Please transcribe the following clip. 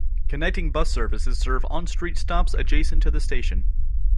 Connecting bus services serve on-street stops adjacent to the station.